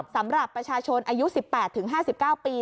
สำหรับประชาชนอายุ๑๘๕๙ปี